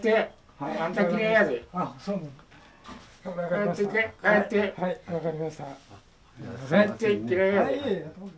はい分かりました。